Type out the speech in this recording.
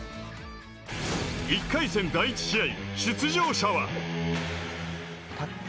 １回戦第１試合出場者は。